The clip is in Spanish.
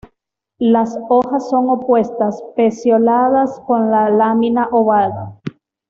Las hojas son opuestas, pecioladas, con la lámina ovada.